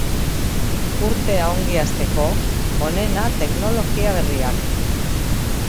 Urtea ongi asteko, onena teknologia berriak!